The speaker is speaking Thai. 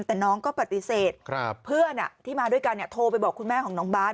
แต่น้องก็ปฏิเสธเพื่อนที่มาด้วยกันโทรไปบอกคุณแม่ของน้องบาท